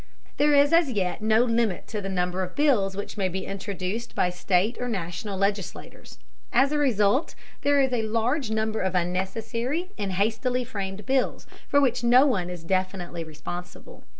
There is as yet no limit to the number of bills which may be introduced by state or National legislators. As a result there is a large number of unnecessary and hastily framed bills for which no one is definitely responsible.